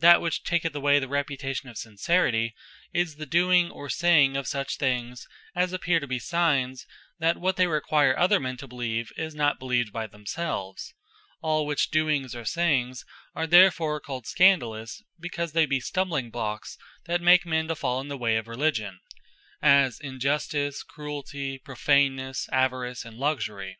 Doing Contrary To The Religion They Establish That which taketh away the reputation of Sincerity, is the doing, or saying of such things, as appeare to be signes, that what they require other men to believe, is not believed by themselves; all which doings, or sayings are therefore called Scandalous, because they be stumbling blocks, that make men to fall in the way of Religion: as Injustice, Cruelty, Prophanesse, Avarice, and Luxury.